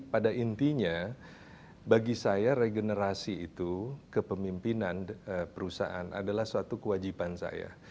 pada intinya bagi saya regenerasi itu kepemimpinan perusahaan adalah suatu kewajiban saya